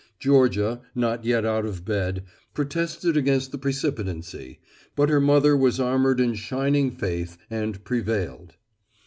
Georgia, not yet out of bed, protested against the precipitancy, but her mother was armored in shining faith and prevailed.